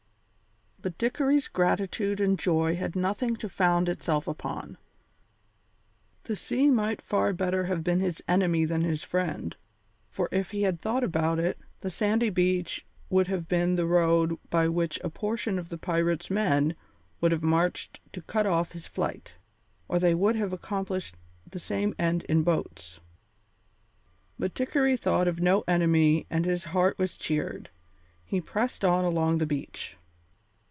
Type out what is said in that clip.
But Dickory's gratitude and joy had nothing to found itself upon. The sea might far better have been his enemy than his friend, for if he had thought about it, the sandy beach would have been the road by which a portion of the pirate's men would have marched to cut off his flight, or they would have accomplished the same end in boats. But Dickory thought of no enemy and his heart was cheered. He pressed on along the beach.